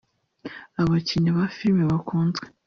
abakinnyi ba filime bakunzwe